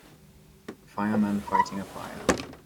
Fireman fighting a fire.